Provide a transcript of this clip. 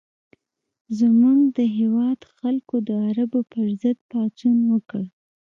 زموږ د هېواد خلکو د عربو پر ضد پاڅون وکړ.